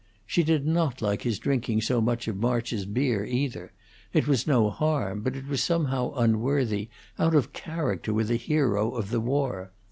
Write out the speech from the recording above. She did not like his drinking so much of March's beer, either; it was no harm, but it was somehow unworthy, out of character with a hero of the war.